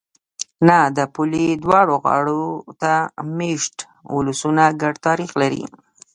نه! د پولې دواړو غاړو ته مېشت ولسونه ګډ تاریخ لري.